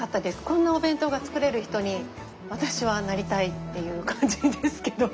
こんなお弁当が作れる人に私はなりたいっていう感じですけど。